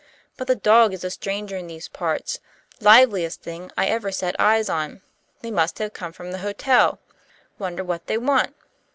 "But the dog is a stranger in these parts. Liveliest thing I ever set eyes on! They must have come from the hotel. Wonder what they want."